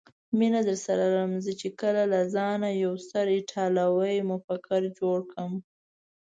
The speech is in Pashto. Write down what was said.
مینه درسره لرم، زه چې کله له ځانه یو ستر ایټالوي مفکر جوړ کړم.